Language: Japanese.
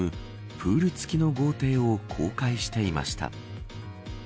プール付きの豪邸を公開していました。